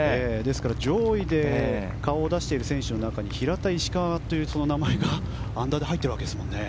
上位で顔を出している選手の中には平田、石川という名前がアンダーで入っていますね。